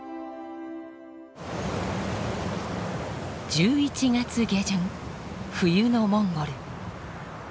１１月下旬冬のモンゴル。